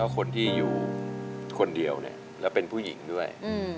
คนที่อยู่คนเดียวแล้วเป็นผู้หญิงด้วย